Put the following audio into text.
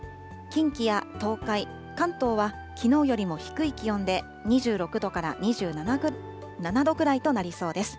近畿や東海、関東はきのうよりも低い気温で、２６度から２７度ぐらいとなりそうです。